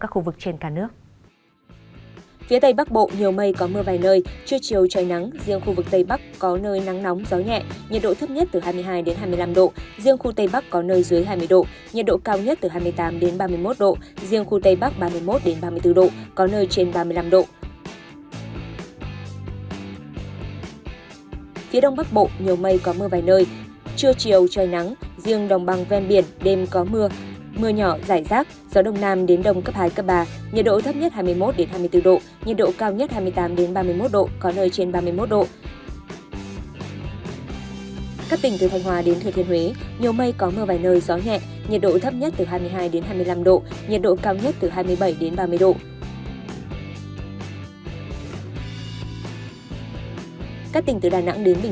khu vực nam bộ có mây ngày nắng nóng chiều tối và đêm có mưa rào và rông vài nơi gió đông đến đông nam cấp hai cấp ba nhiệt độ cao nhất từ hai mươi bốn hai mươi bảy độ nhiệt độ cao nhất ba mươi năm ba mươi bảy độ có nơi trên ba mươi bảy độ